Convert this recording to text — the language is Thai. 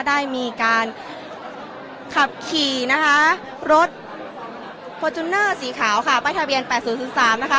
ได้มีการขับขี่นะคะรถสีขาวค่ะใบทะเบียนแปดศูนย์สุดสามนะคะ